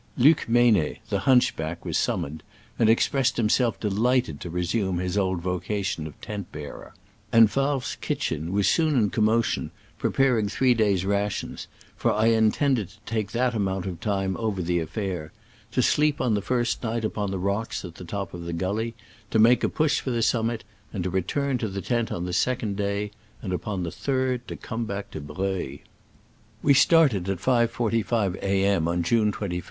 Luc Mey net the hunchback was summoned, and expressed himself delighted to resume his old vocation of tent bearer; and Favre's kitchen was soon in commotion preparing three days' rations, for I in tended to take that amount of time over the affair — to sleep on the first night upon the rocks at the top of the gully, to make a push for the summit, and to re turn to the tent on the second day ; and upon the third to come back to Breuil. Digitized by Google 124 SCRAMBLES AMONGST THE ALPS IN i86o '69. We started at 5.45 A. m.